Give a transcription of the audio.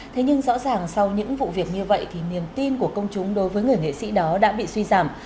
thế nhưng rõ ràng sau những vụ việc như vậy thì niềm tin của công chúng đối với người nghệ sĩ đó đã bị suy giảm